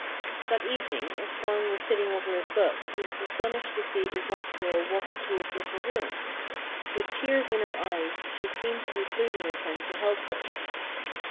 That evening, as Hwang was sitting over his books, he was astonished to see the white girl walk into his little room. With tears in her eyes she seemed to be pleading with him to help her.